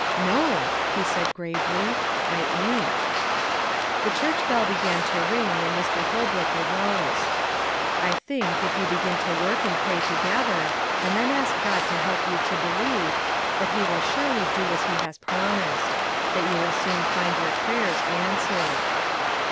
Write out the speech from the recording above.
"No," he said gravely, "I ain't." The church bell began to ring, and Mr. Holbrook arose. "I think, if you begin to work and pray together, and then ask God to help you to believe, that He will surely do as He has promised; that you will soon find your prayers answered."